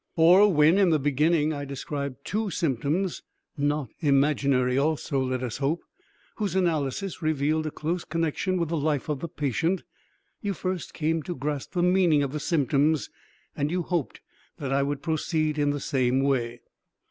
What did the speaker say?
Or, when in the beginning I described two symptoms (not imaginary also, let us hope) whose analysis revealed a close connection with the life of the patient, you first came to grasp the meaning of the symptoms and you hoped that I would proceed in the same way.